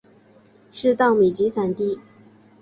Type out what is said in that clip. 是稻米集散地。